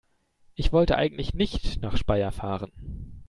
Ich wollte eigentlich nicht nach Speyer fahren